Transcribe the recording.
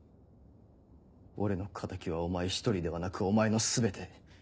俺の敵はお前１人ではなくお前の全て。